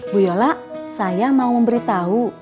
bu yola saya mau memberitahu